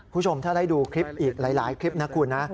ผู้ชมถ้าได้ดูง่ายคลิปนะคุณ